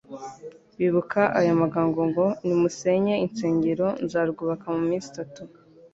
Bibuka aya magambo ngo : "Nimusenye unsengero, nzarwubaka mu minsi itatu.